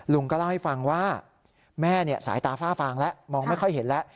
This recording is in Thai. ลุงก็เล่าให้ฟังว่าแม่สายตาฝ้าฟางแล้วมองไม่ค่อยเห็นแล้ว